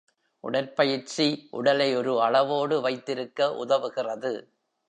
உடற்பயிற்சி உடலை ஒரு அளவோடு வைத்திருக்க உதவுகிறது.